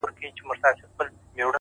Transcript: پرمختګ د دوام غوښتنه کوي.!